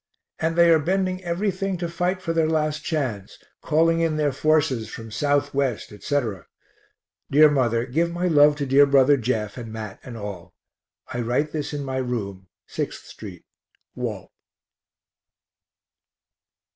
and they are bending everything to fight for their last chance calling in their forces from Southwest, etc. Dear mother, give my love to dear brother Jeff and Mat and all. I write this in my room, 6th st. WALT.